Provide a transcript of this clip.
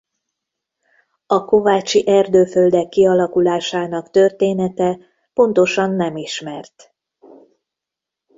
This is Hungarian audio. A Kovácsi-erdőföldek kialakulásának története pontosan nem ismert.